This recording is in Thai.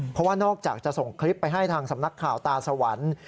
เพราะว่านอกจากจะส่งคลิปไปให้ทางสำนักข่าวตาสวรรค์